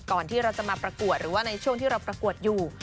ที่เราจะมาประกวดหรือว่าในช่วงที่เราประกวดอยู่